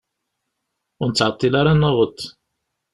Ur nettɛeṭṭil ara ad naweḍ.